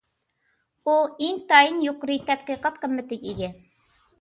ئۇ ئىنتايىن يۇقىرى تەتقىقات قىممىتىگە ئىگە.